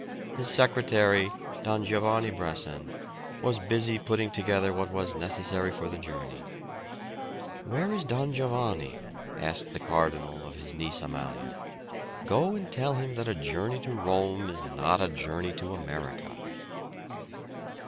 His secretary, Don Giovanni Bressan, was busy putting together what was necessary for the journey. "Where is Don Giovanni?" asked the cardinal of his niece Amalia. "Go and tell him that a journey to Rome is not a journey to America."